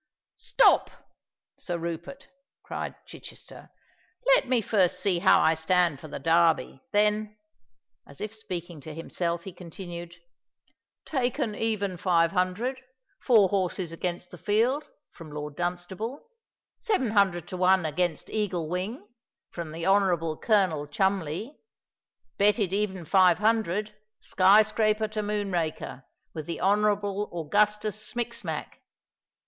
"Stop, Sir Rupert!" cried Chichester. "Let me first see how I stand for the Derby:"—then, as if speaking to himself, he continued, "Taken even five hundred, four horses against the field, from Lord Dunstable;—seven hundred to one against Eagle wing, from the Honourable Colonel Cholmondeley;—betted even five hundred, Skyscraper to Moonraker, with the Honourable Augustus Smicksmack.